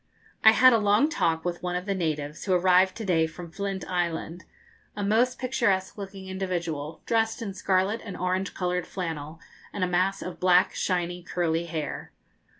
I had a long talk with one of the natives, who arrived to day from Flint Island a most picturesque looking individual, dressed in scarlet and orange coloured flannel, and a mass of black, shiny, curly hair.